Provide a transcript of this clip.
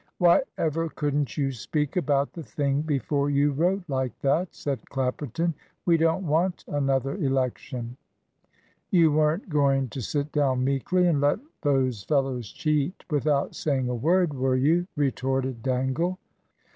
"Why ever couldn't you speak about the thing before you wrote like that?" said Clapperton. "We don't want another election." "You weren't going to sit down meekly, and let those fellows cheat without saying a word, were you?" retorted Dangle.